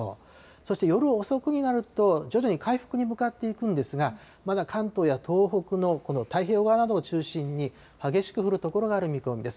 そして夜遅くになると、徐々に回復に向かっていくんですが、まだ関東や東北の太平洋側などを中心に、激しく降る所がある見込みです。